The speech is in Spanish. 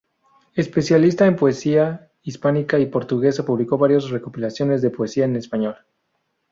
Especialista en poesía hispánica y portuguesa, publicó varias recopilaciones de poesía en español.